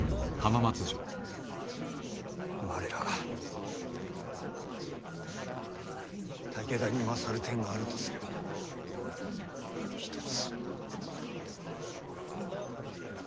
我らが武田に勝る点があるとすれば一つ。